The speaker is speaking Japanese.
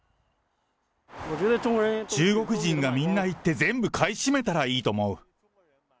中国人がみんな行って、全部買い占めたらいいと思う。